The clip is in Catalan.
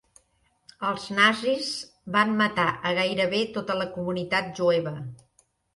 El nazis van matar a gairebé tota la comunitat jueva.